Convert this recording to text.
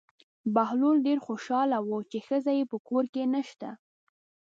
بهلول ډېر خوشحاله و چې ښځه یې په کور کې نشته.